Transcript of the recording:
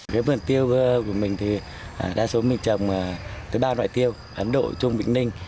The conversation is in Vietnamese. vườn tiêu của mình thì đa số mình trồng tới ba loại tiêu ấn độ trung vĩnh ninh